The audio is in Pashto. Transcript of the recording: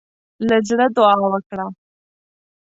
له زړۀ دعا وکړه.